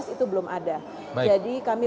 itu belum ada jadi kami